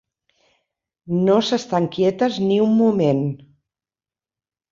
No s'estan quietes ni un moment.